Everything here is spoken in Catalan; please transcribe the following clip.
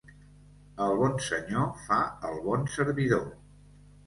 El bon senyor fa el bon servidor.